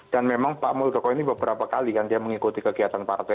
dan memang pak muldoko ini beberapa kali kan dia mengikuti kegiatan partai